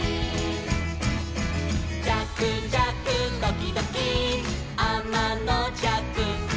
「じゃくじゃくドキドキあまのじゃく」